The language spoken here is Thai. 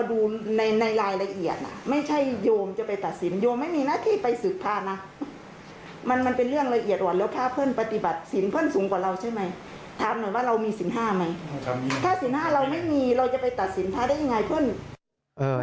ถ้าสินห้าเราไม่มีเราจะไปตัดสินท้าได้อย่างไรเพื่อน